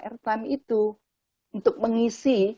airtime itu untuk mengisi